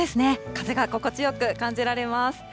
風が心地よく感じられます。